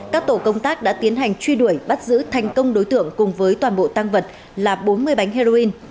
các tổ công tác đã tiến hành truy đuổi bắt giữ thành công đối tượng cùng với toàn bộ tăng vật là bốn mươi bánh heroin